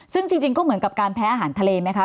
ซึ่งจริงก็เหมือนกับการแพ้อาหารทะเลไหมคะ